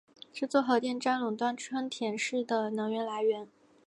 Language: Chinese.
这座核电站垄断春田市的能源来源。